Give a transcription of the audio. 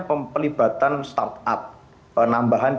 penelibatan startup penambahan